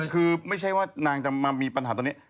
คือไม่ใช่ว่านางจะมามีปัญหาตอนนี้